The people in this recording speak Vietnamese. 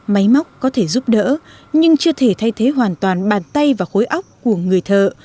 máy móc có thể giúp đỡ nhưng chưa thể thay thế hoàn toàn bàn tay và khối óc của người thợ